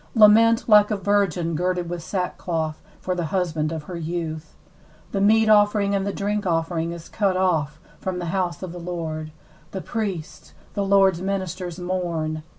8Lament like a virgin girded with sackcloth for the husband of her youth. 9The meat offering and the drink offering is cut off from the house of the Lord; the priests, the Lord'S ministers, mourn.